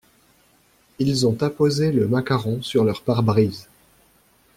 Ils ont apposé le macaron sur leur pare-brise.